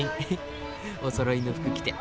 おそろいの服着て。